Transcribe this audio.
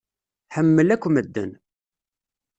Ḥemmel akk medden.